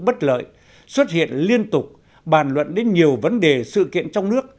bất lợi xuất hiện liên tục bàn luận đến nhiều vấn đề sự kiện trong nước